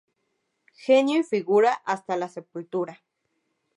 Genio y figura hasta la sepultura